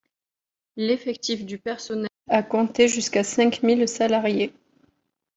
L'effectif du personnel a compté jusqu'à cinq-mille salariés.